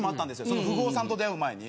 その不遇男さんと出会う前に。